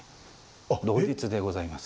同日でございます。